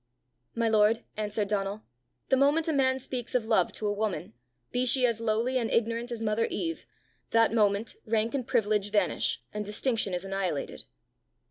"My lord," answered Donal, "the moment a man speaks of love to a woman, be she as lowly and ignorant as mother Eve, that moment rank and privilege vanish, and distinction is annihilated."